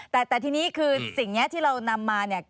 แต่ทีนี้คือสิ่งนี้ที่เรานำมาเนี่ย